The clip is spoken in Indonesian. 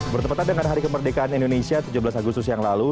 bertepatan dengan hari kemerdekaan indonesia tujuh belas agustus yang lalu